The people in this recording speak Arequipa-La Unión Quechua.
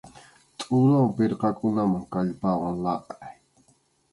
Tʼuruwan pirqakunaman kallpawan laqʼay.